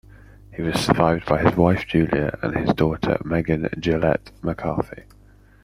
He was survived by his wife Julia and his daughter Megan Gillette McCarthy.